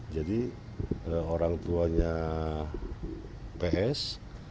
jadi orang tuanya ps